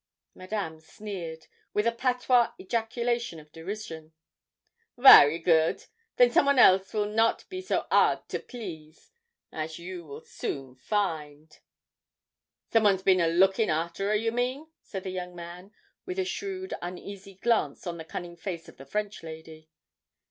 Madame sneered, with a patois ejaculation of derision. 'Vary good! Then some one else will not be so 'ard to please as you will soon find.' 'Some one's bin a lookin' arter her, you mean?' said the young man, with a shrewd uneasy glance on the cunning face of the French lady.